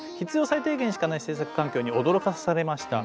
最低限しかない制作環境に驚かされました」。